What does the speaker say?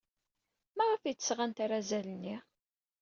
Maɣef ay d-sɣant arazal-nni?